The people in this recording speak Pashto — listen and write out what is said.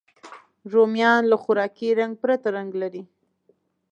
رومیان له خوراکي رنګ پرته رنګ لري